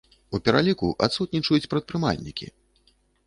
У пераліку адсутнічаюць прадпрымальнікі.